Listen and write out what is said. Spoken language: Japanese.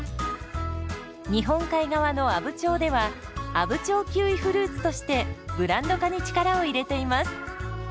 日本海側の阿武町では「阿武町キウイフルーツ」としてブランド化に力を入れています。